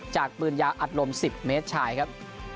จากปืนยาวอัดลม๑๐เมตรชายครับ